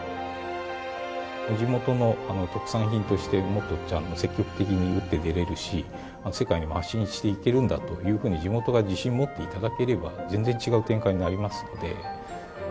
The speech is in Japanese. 地元の特産品として、もっとちゃんと積極的に打って出れるし、世界にも発信していけるんだというふうに、地元が自信も持っていただければ、全然違う展開になりますので。